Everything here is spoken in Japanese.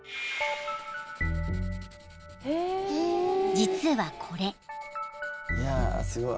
［実はこれ］